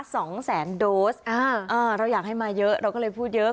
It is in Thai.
สองแสนโดสอ่าอ่าเราอยากให้มาเยอะเราก็เลยพูดเยอะ